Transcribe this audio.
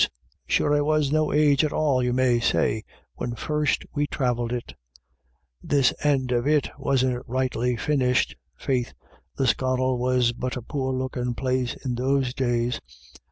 Sure I was no age at all, you may say, when first we travelled it This end of it wasn't rightly finished — faith, Lisconnel was but a poor lookin' place in those days.